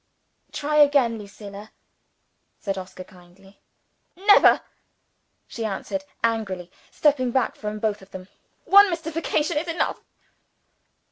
"Try again, Lucilla," said Oscar kindly. "Never!" she answered, angrily stepping back from both of them. "One mystification is enough."